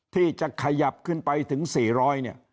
ที่จะขยับขึ้นไปถึง๔๐๐เนี่ย